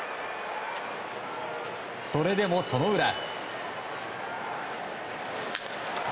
それでも、その裏。